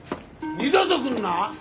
二度と来るな！